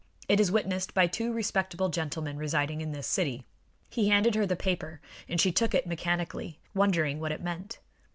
It is witnessed by two respectable gentlemen residing in this city." He handed her the paper and she took it mechanically, wondering what it meant.